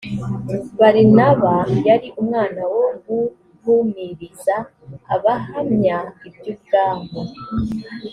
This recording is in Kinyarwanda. barinaba yari umwana wo guhumuriza abahamya iby’ubwami